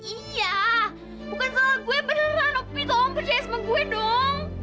iya bukan salah gue beneran opi tolong percaya sama gue dong